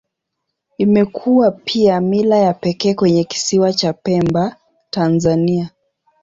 Imekuwa pia mila ya pekee kwenye Kisiwa cha Pemba, Tanzania.